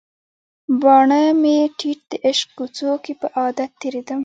باڼه مې ټیټ د عشق کوڅو کې په عادت تیریدم